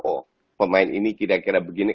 oh pemain ini kira kira begini